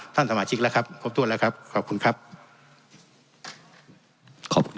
ท่านสมาชิกแล้วครับครบถ้วนแล้วครับขอบคุณครับขอบคุณครับ